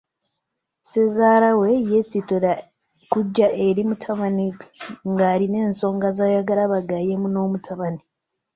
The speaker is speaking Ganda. Ssezaalawe yeesitula kujja eri mutabani ng'alina ensonga zaayagala bagaayemu n'omutabani.